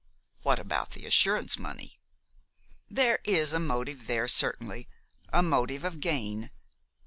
"What about the assurance money?" "There is a motive there, certainly a motive of gain.